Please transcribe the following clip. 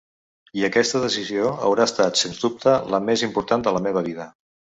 I aquesta decisió haurà estat sens dubte la més important de la meva vida.